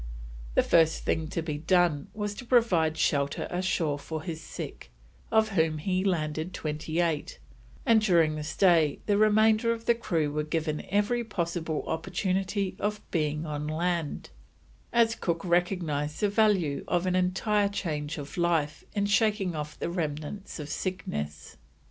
The first thing to be done was to provide shelter ashore for his sick, of whom he landed twenty eight, and during the stay the remainder of the crew were given every possible opportunity of being on land, as Cook recognised the value of an entire change of life in shaking off the remnants of sickness.